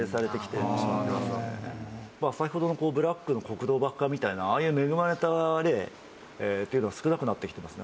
先ほどの『ＢＬＡＣＫ』の国道爆破みたいなああいう恵まれた例っていうのは少なくなってきてますね。